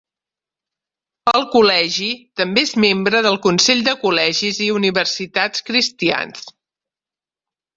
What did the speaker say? El col·legi també és membre del Consell de Col·legis i Universitats Cristians.